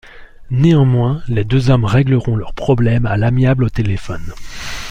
Néanmoins, les deux hommes régleront leurs problèmes à l'amiable au téléphone.